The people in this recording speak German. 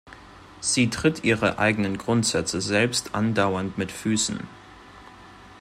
Sie tritt ihre eigenen Grundsätze selbst andauernd mit Füßen.